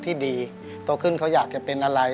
อเรนนี่ส์โตขึ้นนุกอยากเป็นอะไร